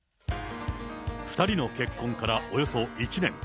２人の結婚からおよそ１年。